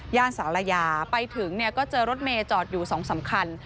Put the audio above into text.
ย่านศาลายาไปถึงก็เจอรถเมย์จอดอยู่๒สำคัญ